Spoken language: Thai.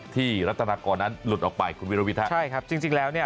ที่รัฐนากรนั้นหลุดออกไปคุณวิระวิทักษ์ใช่ครับจริงแล้วเนี่ย